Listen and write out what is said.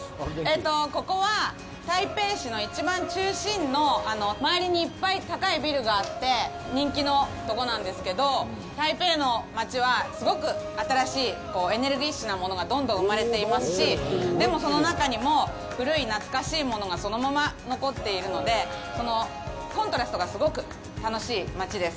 ここは、台北市のいちばん中心の、周りにいっぱい高いビルがあって、人気のところなんですけど、台北の街はすごく新しいエネルギッシュなものがどんどん生まれていますし、でも、その中にも古い懐かしいものがそのまま残っているので、そのコントラストがすごく楽しい街です。